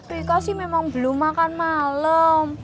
riko sih memang belum makan malam